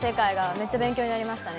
めっちゃ勉強になりましたね。